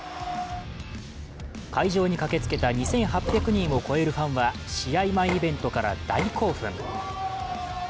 会場に駆けつけた２８００人を超えるファンは試合前イベントから大興奮。